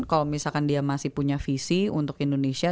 kalau misalkan dia masih punya visi untuk indonesia